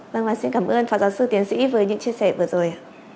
vâng và xin cảm ơn phạm giáo sư tiến sĩ với những chia sẻ vừa rồi